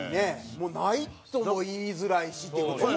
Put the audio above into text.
「ない」とも言いづらいしっていう事やね。